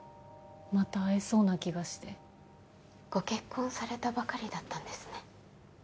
また会えそうな気がしてご結婚されたばかりだったんですね